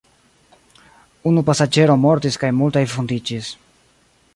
Unu pasaĝero mortis kaj multaj vundiĝis.